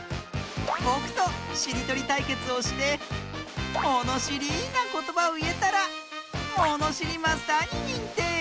ぼくとしりとりたいけつをしてものしりなことばをいえたらものしりマスターににんてい！